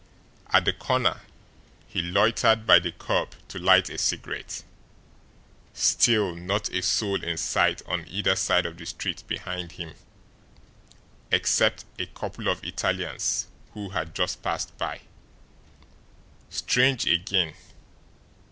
At the corner he loitered by the curb to light a cigarette still not a soul in sight on either side of the street behind him, except a couple of Italians who had just passed by. Strange again!